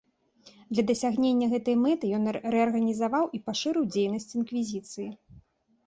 Для дасягнення гэтай мэты ён рэарганізаваў і пашырыў дзейнасць інквізіцыі.